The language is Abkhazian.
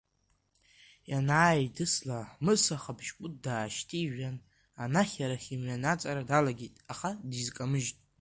Ианааидысла, Мыса Хабжькәыт даашьҭижәан, анахь-арахь имҩанҵара далагеит, аха дизкамыжьт.